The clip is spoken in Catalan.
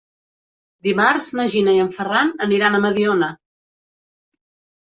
Dimarts na Gina i en Ferran aniran a Mediona.